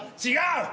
違う！